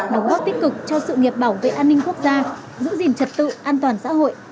đóng góp tích cực cho sự nghiệp bảo vệ an ninh quốc gia giữ gìn trật tự an toàn xã hội